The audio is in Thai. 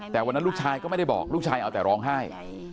แต่วันนั้นลูกชายก็ไม่ได้บอกลูกชายเอาแต่ร้องไห้